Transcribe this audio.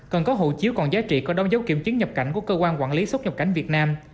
cần có hộ chiếu còn giá trị có đo dấu kiểm chứng nhập cảnh của cơ quan quản lý xuất nhập cảnh việt nam